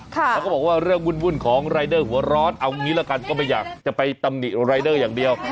แล้วก็บอกว่าเรื่องวุ่นของรายเดอร์หัวร้อนเอางี้ละกันก็ไม่อยากจะไปตำหนิรายเดอร์อย่างเดียว